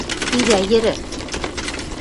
Идӓ йӹрӹ.